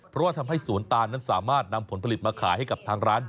เพราะว่าทำให้สวนตาลนั้นสามารถนำผลผลิตมาขายให้กับทางร้าน